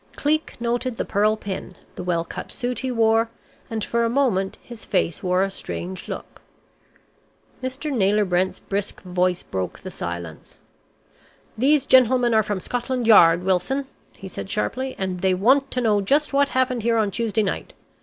Cleek noted the pearl pin, the well cut suit he wore, and for a moment his face wore a strange look. Mr. Naylor Brent's brisk voice broke the silence. "These gentlemen are from Scotland Yard, Wilson," he said sharply, "and they want to know just what happened here on Tuesday night.